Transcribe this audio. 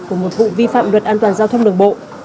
của một vụ vi phạm luật an toàn giao thông đường bộ